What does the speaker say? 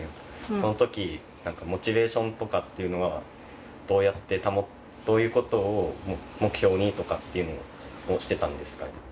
そのときモチベーションとかっていうのはどうやって保つどういうことを目標にとかっていうのをしてたんですか？